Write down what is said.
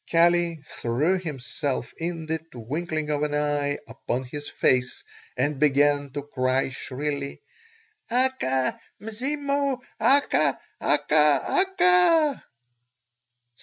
Kali threw himself in the twinkling of an eye upon his face and began to cry shrilly: "Aka! Mzimu! Aka! Aka! Aka!"